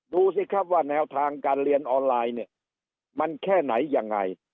ดูสิครับว่าแนวทางการเรียนออนไลน์เนี่ยมันแค่ไหนยังไง